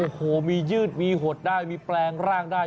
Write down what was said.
โอ้โหมียืดมีหดได้มีแปลงร่างได้